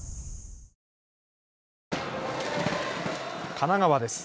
神奈川です。